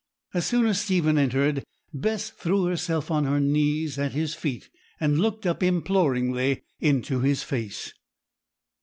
As soon as Stephen entered, Bess threw herself on her knees at his feet, and looked up imploringly into his face.